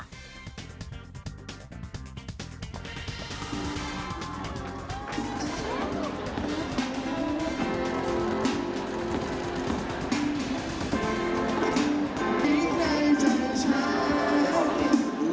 ก็รู้มาก่อนแล้วว่าคนก่อนจะเป็นอะไร